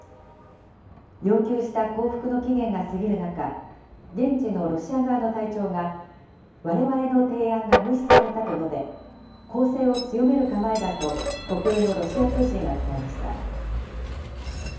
要求した降伏の期限が過ぎる中、現地のロシア側の隊長が、われわれの提案が無視されたと述べ、攻勢を強める構えだと、国営のロシア通信が伝えました。